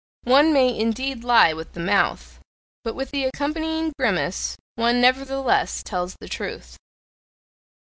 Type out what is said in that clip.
One may indeed lie with the mouth; but with the accompanying grimace one nevertheless tells the truth.